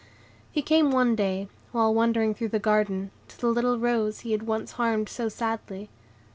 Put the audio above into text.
He came one day, while wandering through the garden, to the little rose he had once harmed so sadly.